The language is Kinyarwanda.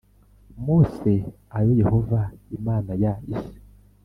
Mose ayo Yehova Imana ya Isi